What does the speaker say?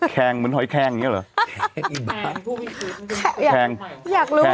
แคงเหมือนหอยแคงอย่างนี้เหรอ